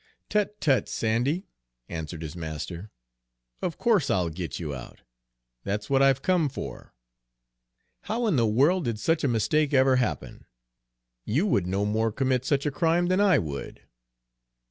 "Tut, tut, Sandy!" answered his master; "of course I'll get you out. That's what I've come for. How in the world did such a mistake ever happen? You would no more commit such a crime than I would!"